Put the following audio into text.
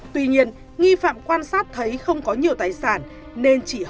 tuy nhiên nghi phạm quan sát thấy không có nhiều tài sản